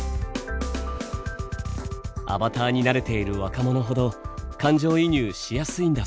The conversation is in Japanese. アバターに慣れている若者ほど感情移入しやすいんだそうです。